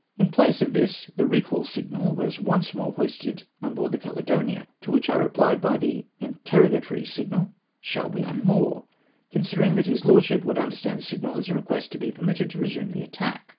In place of this the recall signal was once more hoisted on board the Caledonia, to which I rephed by the interrogatory signal " Shall we unmoor f " con sidermg that his lordship would understand the signal as a request to be permitted to resume the attack.